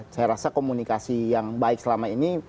saya rasa komunikasi yang baik selama ini